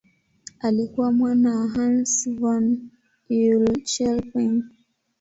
Alikuwa mwana wa Hans von Euler-Chelpin.